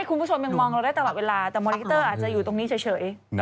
คุณผู้ชมยังมองเราได้ตลอดเวลาแต่มอนิเตอร์อาจจะอยู่ตรงนี้เฉย